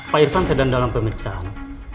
pak irfan sedang dalam pemeriksaan